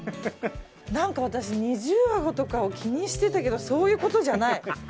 私、二重あごとかを気にしてたけどそういうことじゃない。